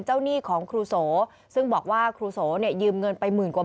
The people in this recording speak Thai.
หนี้ของครูโสซึ่งบอกว่าครูโสเนี่ยยืมเงินไปหมื่นกว่า